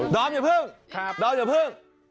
ดอร์มอย่าเพิ่ง